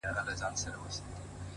ژړا. سلگۍ زما د ژوند د تسلسل نښه ده.